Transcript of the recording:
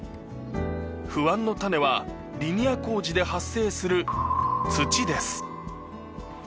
坩造亮錣リニア工事で発生する土です。